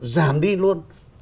giảm đi luôn